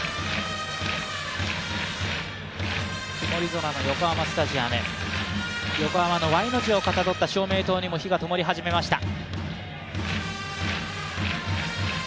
曇り空の横浜スタジアム、横浜のＹの字をかたどった照明灯にもひがともり始めました。